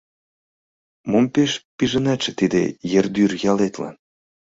Мом пеш пижынатше тиде Ердӱр ялетлан?